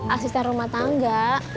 asisten rumah tangga